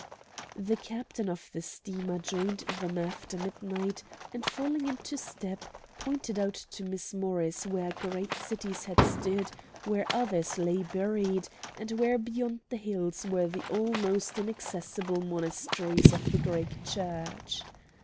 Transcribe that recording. The captain of the steamer joined them after midnight, and falling into step, pointed out to Miss Morris where great cities had stood, where others lay buried, and where beyond the hills were the almost inaccessible monasteries of the Greek Church.